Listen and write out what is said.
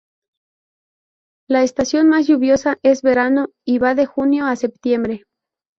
La estación más lluviosa es verano y va de junio a septiembre.